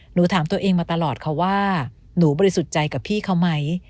หนูถามตัวเองมาตลอดค่ะว่าหนูบริสุทธิ์ใจกับพี่เขาไหม